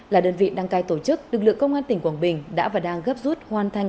là đơn vị đăng cai tổ chức lực lượng công an tỉnh quảng bình đã và đang gấp rút hoàn thành